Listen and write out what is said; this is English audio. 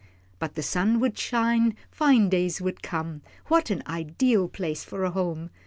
But the sun would shine, fine days would come what an ideal place for a home!